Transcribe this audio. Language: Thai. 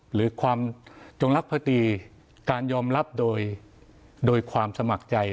หรือความจงรักภตีการยอมรับโดยความสมัครใจ